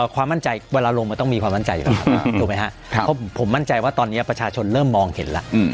ความมั่นใจเวลาลงมันต้องมีความมั่นใจอยู่แล้วถูกไหมครับเพราะผมมั่นใจว่าตอนนี้ประชาชนเริ่มมองเห็นแล้ว